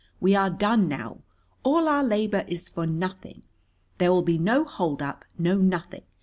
We are done now. All our labor is for nothing. There will be no holdup, no nothing.